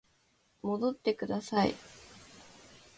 戻ってください